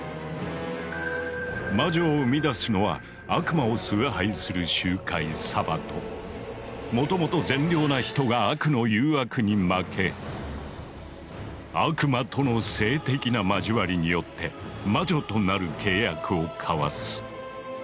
魔女を生み出すのはもともと善良な人が悪の誘惑に負け悪魔との性的な交わりによって魔女となる契約を交わす。